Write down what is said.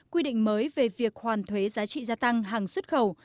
quy định mới về việc hoàn thuế giá trị gia tăng hàng xuất khẩu